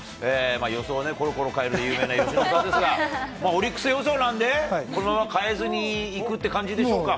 予想をころころ変える有名な由伸さんですが、オリックス予想なんで、このまま変えずにいくって感じでしょうか。